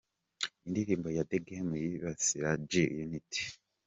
Indirimbo ya The Game yibasira G-Unit.